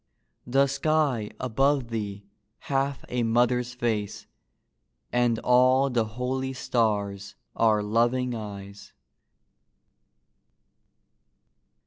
The sky above thee hath a mother's face, And all the holy stars are loving eyes.